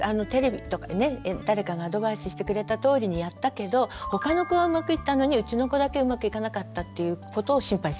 誰かがアドバイスしてくれたとおりにやったけど他の子はうまくいったのにうちの子だけうまくいかなかったっていうことを心配します。